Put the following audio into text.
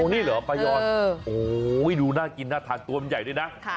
นี่เหรอป้ายอนโอ้โหดูน่ากินน่าทานตัวมันใหญ่ด้วยนะ